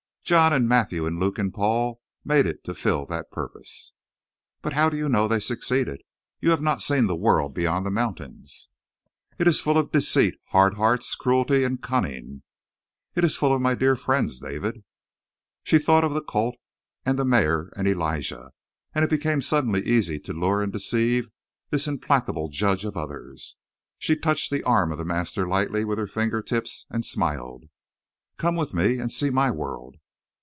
John and Matthew and Luke and Paul made it to fill that purpose." "But how do you know they succeeded? You have not seen the world beyond the mountains." "It is full of deceit, hard hearts, cruelty, and cunning." "It is full of my dear friends, David!" She thought of the colt and the mare and Elijah; and it became suddenly easy to lure and deceive this implacable judge of others. She touched the arm of the master lightly with her finger tips and smiled. "Come with me, and see my world!"